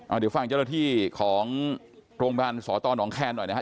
เดี๋ยวฟังเจ้าหน้าที่ของโรงพยาบาลสตหนองแคนหน่อยนะครับ